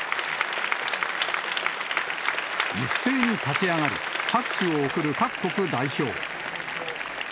一斉に立ち上がり、拍手を送る各国代表。